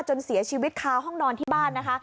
จนเสียชีวิตคาห้องนอนที่บ้านนะคะ